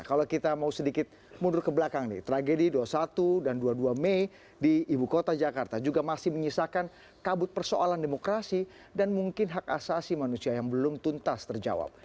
kalau kita mau sedikit mundur ke belakang nih tragedi dua puluh satu dan dua puluh dua mei di ibu kota jakarta juga masih menyisakan kabut persoalan demokrasi dan mungkin hak asasi manusia yang belum tuntas terjawab